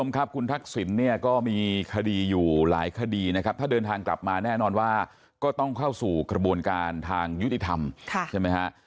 คุณทักษิณก็มีคดีอยู่หลายคดีถ้าเดินทางกลับมาแน่นอนว่าก็ต้องเข้าสู่กระบวนการทางยุติธรรม